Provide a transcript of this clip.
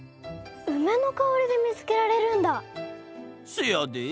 せやで！